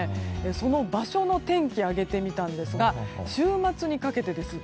その場所の天気を挙げてみたんですが週末にかけてです。